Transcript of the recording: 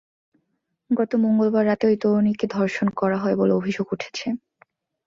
গত মঙ্গলবার রাতে ওই তরুণীকে ধর্ষণ করা হয় বলে অভিযোগ উঠেছে।